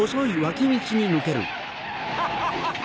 ハハハハ！